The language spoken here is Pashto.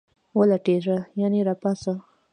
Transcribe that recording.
ولټیږه ..یعنی را پاڅه